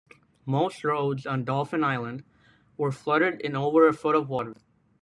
Most roads on Dauphin Island were flooded in over a foot of water.